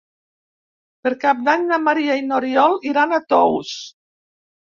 Per Cap d'Any na Maria i n'Oriol iran a Tous.